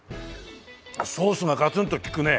ソースがガツンと利くね。